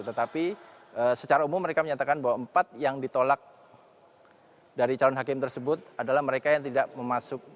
tetapi secara umum mereka menyatakan bahwa empat yang ditolak dari calon hakim tersebut adalah mereka yang tidak memasukkan